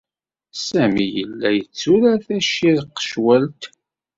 Sami yella yetturar tacirqecwalt.